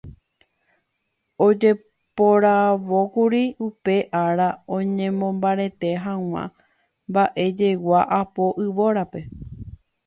Ojeporavókuri upe ára oñemombarete hag̃ua mba'ejegua apo yvórape.